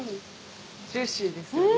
ジューシーですよね。